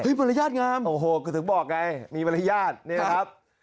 เฮ้ยบรรยาทงามโอ้โหก็ถึงบอกไงมีบรรยาทนี่แหละครับ